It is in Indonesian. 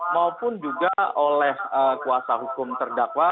maupun juga oleh kuasa hukum terdakwa